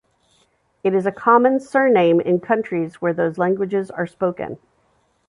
It is a common surname in countries where those languages are spoken.